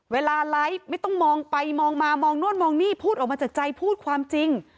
เวลาไลฟ์ไม่ต้องมองไปมองมามองโน่นมองนี่พูดออกมาจากใจพูดความจริง